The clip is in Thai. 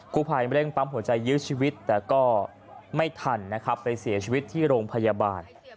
ผู้ภัยเร่งปั๊มหัวใจยื้อชีวิตแต่ก็ไม่ทันนะครับไปเสียชีวิตที่โรงพยาบาล